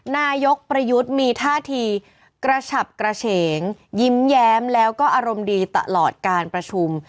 นายกประยุทธ์มีท่าทีกระฉับกระเฉงยิ้มแย้มแล้วก็อารมณ์ดีตลอดการประชุม